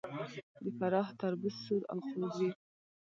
د فراه تربوز سور او خوږ وي.